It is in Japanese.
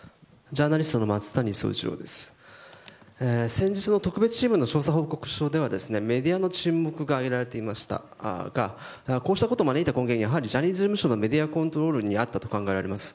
先日の特別チームの調査報告書ではメディアの沈黙が挙げられていましたがこうしたことを招いたことにジャニーズ事務所のメディアコントロールにあったと考えられます。